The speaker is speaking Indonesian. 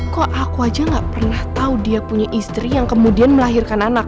kok aku aja gak pernah tahu dia punya istri yang kemudian melahirkan anak